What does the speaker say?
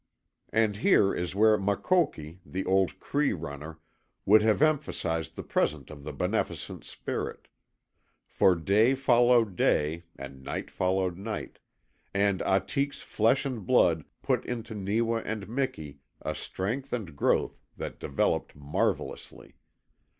And here is where Makoki, the old Cree runner, would have emphasized the presence of the Beneficent Spirit. For day followed day, and night followed night, and Ahtik's flesh and blood put into Neewa and Miki a strength and growth that developed marvellously.